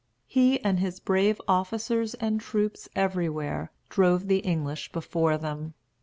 He and his brave officers and troops everywhere drove the English before them.